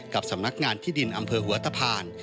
กับสำนักงานที่ดินอำเภอหัวตะพาน